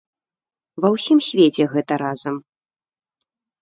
Ва ўсім свеце гэта разам.